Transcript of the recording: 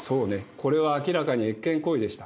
これは明らかに越権行為でした。